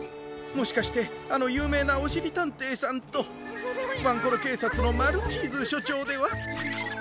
もしかしてあのゆうめいなおしりたんていさんとワンコロけいさつのマルチーズしょちょうでは？